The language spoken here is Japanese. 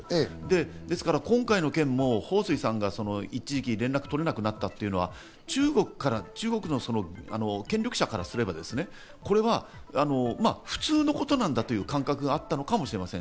今回の件もホウ・スイさんが一時期、連絡が取れなくなったというのは中国の権力者からすればこれは、まあ普通のことなんだという感覚があったかもしれません。